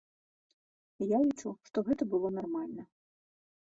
Я лічу, што гэта было нармальна.